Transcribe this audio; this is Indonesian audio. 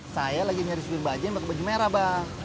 saya lagi nyari subir bajen bakal baju merah bang